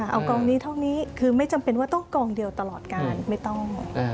เอากองนี้เท่านี้คือไม่จำเป็นว่าต้องกองเดียวตลอดการไม่ต้อง